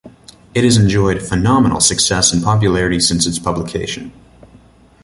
It has enjoyed phenomenal success and popularity since its publication.